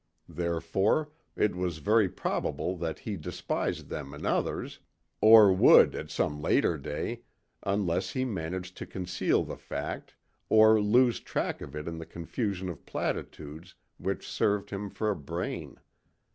Therefore, it was very probable that he despised them in others, or would at some later day, unless he managed to conceal the fact or lose track of it in the confusion of platitudes which served him for a brain.